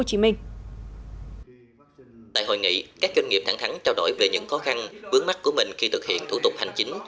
tại hội nghị các doanh nghiệp thẳng thắng trao đổi về những khó khăn vướng mắt của mình khi thực hiện thủ tục hành chính